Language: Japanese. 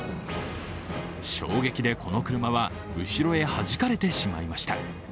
衝撃でこの車は後ろへはじかれてしまいました。